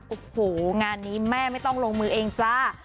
โอ้โหงานนี้แม่ไม่ต้องลงมือเองจ้า